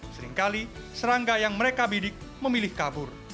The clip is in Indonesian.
seringkali serangga yang mereka bidik memilih kabur